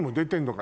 か